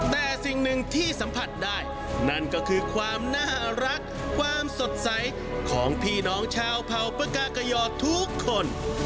แต่สิ่งหนึ่งที่สัมผัสได้นั่นก็คือความน่ารักความสดใสของพี่น้องชาวเผ่าปากากยอดทุกคน